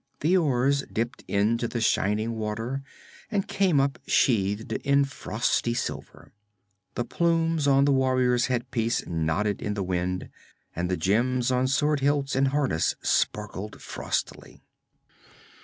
The oars dipped into the shining water and came up sheathed in frosty silver. The plumes on the warrior's headpiece nodded in the wind, and the gems on sword hilts and harness sparkled frostily.